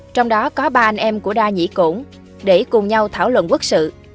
trong đó có ba anh em của đa nhĩ cổn để cùng nhau thảo luận quốc sự